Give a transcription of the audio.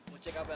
mau cek apaan